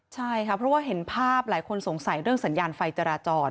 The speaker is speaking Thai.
ใช่ค่ะเพราะว่าเห็นภาพหลายคนสงสัยเรื่องสัญญาณไฟจราจร